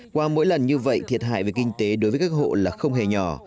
qua mỗi lần như vậy thiệt hại về kinh tế đối với các hộ là không hề nhỏ